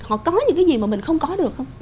họ có những cái gì mà mình không có được không